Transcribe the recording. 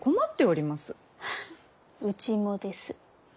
うちもです。